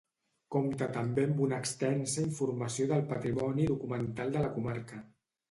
Compta també amb una extensa informació del patrimoni documental de la comarca.